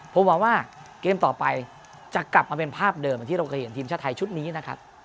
ผมหวังว่าเกมต่อไปจะกลับมาเป็นภาพเดิมที่เราเคยเห็นทีมชาติไทยชุดนี้นะครับ